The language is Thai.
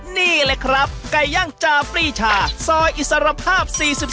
นี่เลยครับไก่ย่างจาปรีชาซอยอิสรภาพ๔๔